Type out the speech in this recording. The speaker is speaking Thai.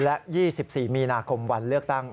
และ๒๔มีนาคมวันเลือกตั้ง